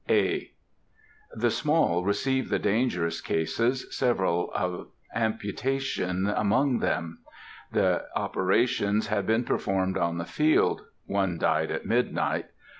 (A.) The Small received the dangerous cases, several of amputation among them; the operations had been performed on the field. One died at midnight.